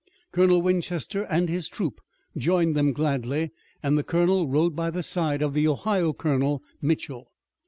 Colonel Winchester and his troop joined them gladly and the colonel rode by the side of the Ohio colonel, Mitchel.